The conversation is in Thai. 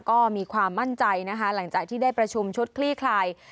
ก็มีความมั่นใจนะคะหลังจากที่ได้ประชุมชุดคลี่คลาย